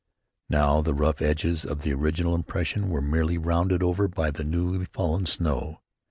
Now the rough edges of the original impression were merely rounded over by the new fallen snow.